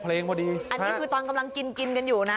คืออันนี้คือกำลังกินกันอยู่นะ